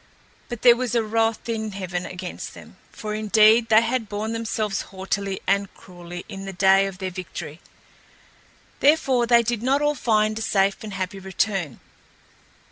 But there was wrath in heaven against them, for indeed they had borne themselves haughtily and cruelly in the day of their victory. Therefore they did not all find a safe and happy return.